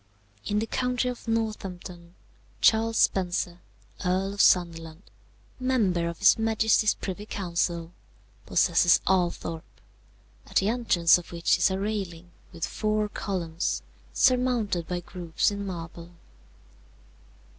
"In the county of Northampton, Charles Spencer, Earl of Sunderland, member of his Majesty's Privy Council, possesses Althorp, at the entrance of which is a railing with four columns surmounted by groups in marble.